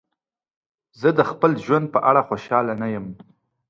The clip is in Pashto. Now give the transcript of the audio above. زه د خپل ژوند په اړه خوشحاله نه یم.